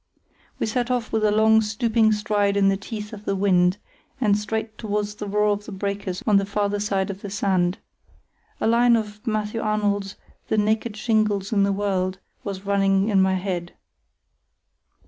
We set off with a long, stooping stride in the teeth of the wind, and straight towards the roar of the breakers on the farther side of the sand. A line of Matthew Arnold's, "The naked shingles of the world," was running in my head.